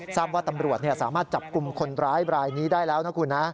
ทราบว่าตำรวจสามารถจับกลุ่มคนร้ายบรายนี้ได้แล้วนะคุณนะ